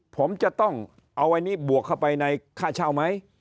ผมจะต้องเอาอันนี้บวกเข้าไปในค่าเช่าไหม